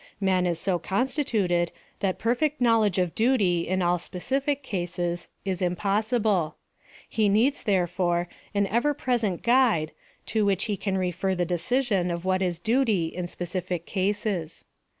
Man is so constituted that 282 PHILOSOPHY OF THE perfect knowledge of duty in all specific cases i& impossible; he needs, therefore, an ever present guide, to which he can refer the decision of what is duty in specific cases.